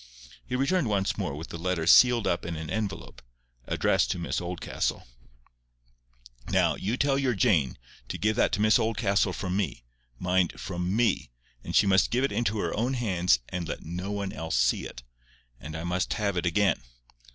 He returned once more with the letter sealed up in an envelope, addressed to Miss Oldcastle. "Now, you tell your Jane to give that to Miss Oldcastle from me—mind, from ME; and she must give it into her own hands, and let no one else see it. And I must have it again.